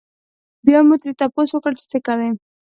بيا مو ترې تپوس وکړو چې څۀ کوئ؟